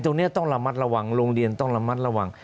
ตรงนี้ต้องระมัดระวังโรงเรียนต้องระมัดระวัง